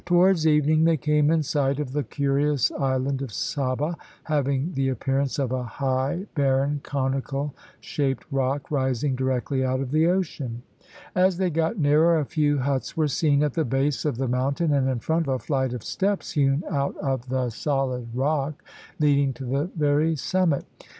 Towards evening they came in sight of the curious island of Saba, having the appearance of a high, barren, conical shaped rock rising directly out of the ocean. As they got nearer, a few huts were seen at the base of the mountain, and in front a flight of steps hewn out of the solid rock leading to the very summit.